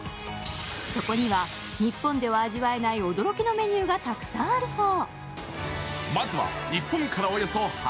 そこには日本では味わえない驚きのメニューがたくさんあるそう。